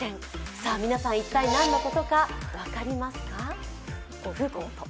さあ皆さん、一体何のことか分かりますか？